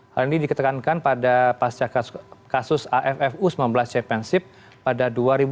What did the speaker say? hal ini diketekankan pada pasca kasus aff u sembilan belas championship pada dua ribu dua puluh